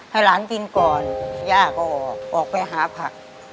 ให้หลานกินก่อนย่าก็ออกออกไปหาผัก